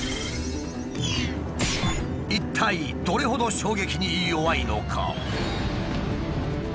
一体どれほど衝撃に弱いのか？